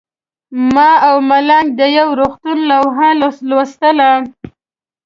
ما او ملنګ د یو روغتون لوحه لوستله.